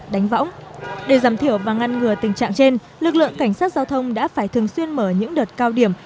đánh võng để giảm thiểu và ngăn ngừa tình trạng trên lực lượng cảnh sát giao thông đã phải thường xuyên mở những đợt cao điểm